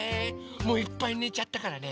もういっぱいねちゃったからね